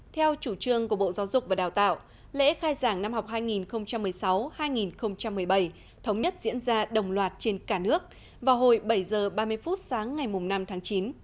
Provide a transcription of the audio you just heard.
theo chủ trương của bộ giáo dục và đào tạo lễ khai giảng năm học hai nghìn một mươi sáu hai nghìn một mươi bảy thống nhất diễn ra đồng loạt trên cả nước vào hồi bảy h ba mươi phút sáng ngày năm tháng chín